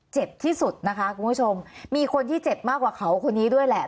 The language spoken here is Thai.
เจ็บที่สุดนะคะคุณผู้ชมมีคนที่เจ็บมากกว่าเขาคนนี้ด้วยแหละ